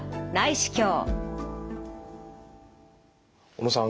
小野さん